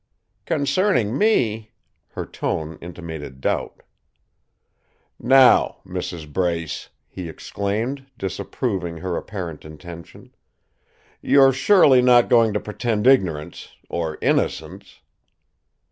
"Concerning me?" Her tone intimated doubt. "Now, Mrs. Brace!" he exclaimed, disapproving her apparent intention. "You're surely not going to pretend ignorance or innocence!"